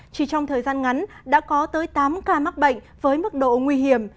chỉ trong thời gian ngắn đã có tới tám ca mắc bệnh với mức độ nguy hiểm